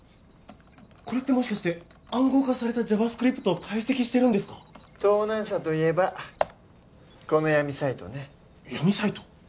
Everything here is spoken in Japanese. これってもしかして暗号化されたＪａｖａＳｃｒｉｐｔを解析してるんですか盗難車といえばこの闇サイトね闇サイト？